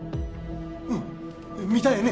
うん見たんやね？